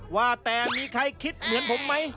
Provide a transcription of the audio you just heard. ว่าแต่มีใครคิดเหมือนผมไหม